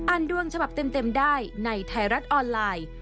ดวงฉบับเต็มได้ในไทยรัฐออนไลน์